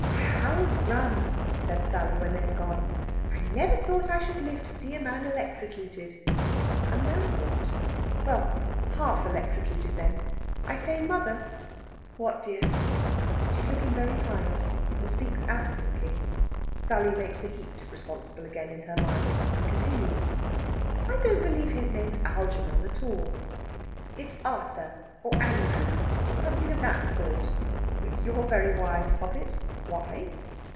"How rum!" said Sally, when they had gone. "I never thought I should live to see a man electrocuted." "A man what?" "Well, half electrocuted, then. I say, mother " "What, dear?" She is looking very tired, and speaks absently. Sally makes the heat responsible again in her mind, and continues: "I don't believe his name's Algernon at all! It's Arthur, or Andrew, or something of that sort." "You're very wise, poppet. Why?"